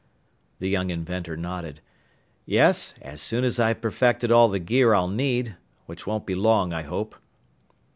The young inventor nodded. "Yes, as soon as I've perfected all the gear I'll need which won't be long, I hope."